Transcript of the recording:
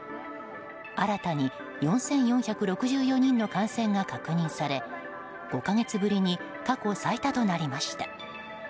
新たに４４６４人の感染が確認され、５か月ぶりに過去最多となりました。